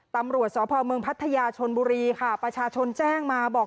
ตำรวจสพเมืองพัทยาชนบุรีค่ะประชาชนแจ้งมาบอก